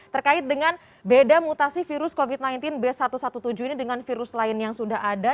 terkait dengan beda mutasi virus covid sembilan belas b satu satu tujuh ini dengan virus lain yang sudah ada